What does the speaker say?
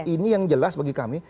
ini yang jelas bagi kami